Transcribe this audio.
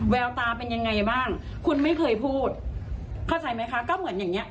แววตาเป็นยังไงบ้างคุณไม่เคยพูดเข้าใจไหมคะก็เหมือนอย่างเงี้